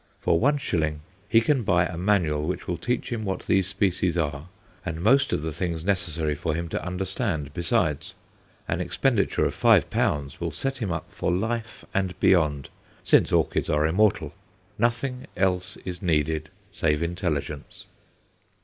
For one shilling he can buy a manual which will teach him what these species are, and most of the things necessary for him to understand besides. An expenditure of five pounds will set him up for life and beyond since orchids are immortal. Nothing else is needed save intelligence.